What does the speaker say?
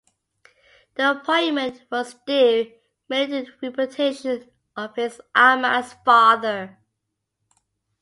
The appointment was due mainly to the reputation of his Ahmad's father.